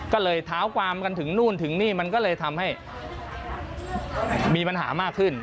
ก็เลยเท้าความกันถึงนู่นถึงนี่มันก็เลยทำให้มีปัญหามากขึ้น